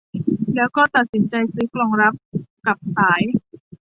แล้วก็ตัดสินใจซื้อกล่องรับกับสาย